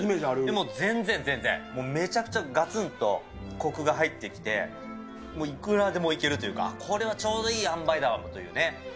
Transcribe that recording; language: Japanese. でも全然全然、めちゃくちゃがつんとこくが入ってきて、いくらでもいけるというか、これはちょうどいい塩梅だわっていうね。